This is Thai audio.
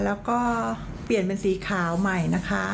แล้วก็เปลี่ยนเป็นสีขาวใหม่นะคะ